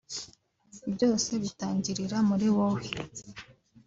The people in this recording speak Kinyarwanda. Byose bitangirira muri wowe